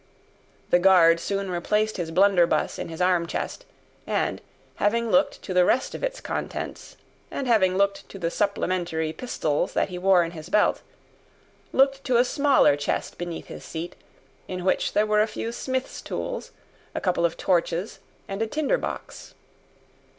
The guard soon replaced his blunderbuss in his arm chest, and, having looked to the rest of its contents, and having looked to the supplementary pistols that he wore in his belt, looked to a smaller chest beneath his seat, in which there were a few smith's tools, a couple of torches, and a tinder box.